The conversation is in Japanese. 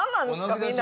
みんな。